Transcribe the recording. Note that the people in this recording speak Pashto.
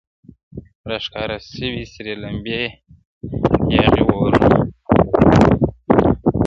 راښكاره سوې سرې لمبې ياغي اورونه؛